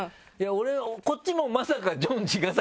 こっちもまさかジョン茅ヶ崎